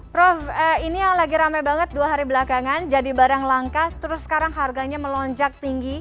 prof ini yang lagi rame banget dua hari belakangan jadi barang langka terus sekarang harganya melonjak tinggi